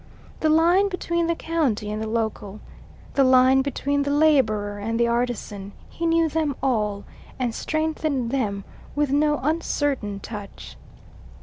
The line between the county and the local, the line between the labourer and the artisan he knew them all, and strengthened them with no uncertain touch.